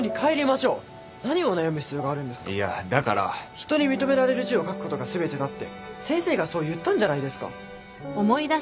人に認められる字を書くことが全てだって先生がそう言ったんじゃないですか。